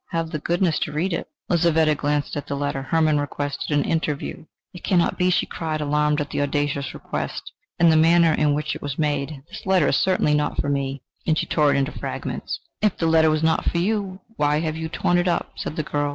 "Have the goodness to read it." Lizaveta glanced at the letter. Hermann requested an interview. "It cannot be," she cried, alarmed at the audacious request, and the manner in which it was made. "This letter is certainly not for me." And she tore it into fragments. "If the letter was not for you, why have you torn it up?" said the girl.